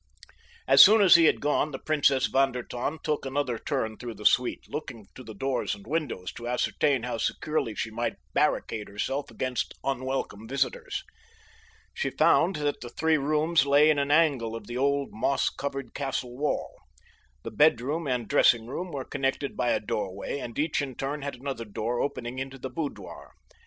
As soon as he had gone the Princess von der Tann took another turn through the suite, looking to the doors and windows to ascertain how securely she might barricade herself against unwelcome visitors. She found that the three rooms lay in an angle of the old, moss covered castle wall. The bedroom and dressing room were connected by a doorway, and each in turn had another door opening into the boudoir.